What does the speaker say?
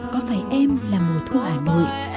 có phải em là mùa thu hà nội